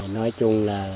nói chung là